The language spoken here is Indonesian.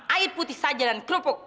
air putih saja dan kerupuk